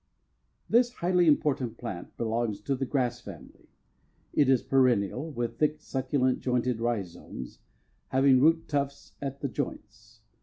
This highly important plant belongs to the grass family. It is perennial, with thick, succulent, jointed rhizomes, having root tufts at the joints.